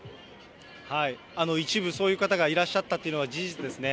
一部そういう方がいらっしゃったっていうのは事実ですね。